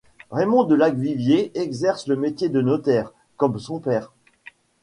Raymond de Lacvivier exerce le métier de notaire, comme son père.